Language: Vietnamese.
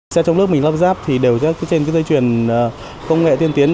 xe trong nước mình lắp ráp thì đều trên dây chuyển công nghệ tiên tiến